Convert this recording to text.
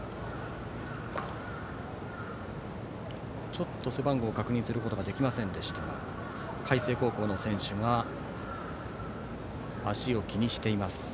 ちょっと背番号を確認することができませんでしたが海星高校の選手が足を気にしています。